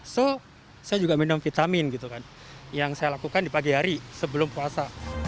so saya juga minum vitamin gitu kan yang saya lakukan di pagi hari sebelum puasa